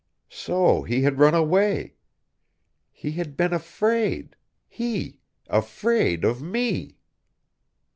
So he had run away: he had been afraid; he, afraid of me!